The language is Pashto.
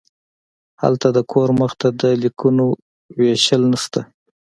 هلته د کور مخې ته د لیکونو ویشل نشته